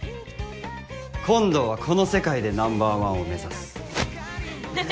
今度はこの世界でナンバーワンを目指す。